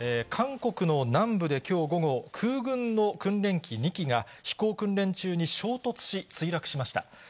韓国の南部できょう午後、空軍の訓練機２機が、飛行訓練中に衝突し、墜落しました。